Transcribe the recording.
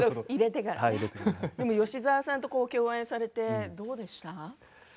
吉沢さんと共演されてどうですか？